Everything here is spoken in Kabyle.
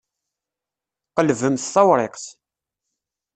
Qelbemt tawṛiqt.